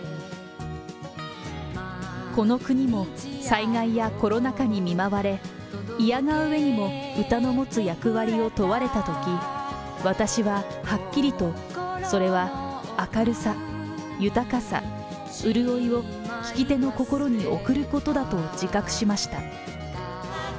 この国も、災害やコロナ禍に見舞われ、いやがうえにも歌の持つ役割を問われたとき、私ははっきりと、それは明るさ、豊かさ、潤いを聞き手の心に送ることだと自覚しました。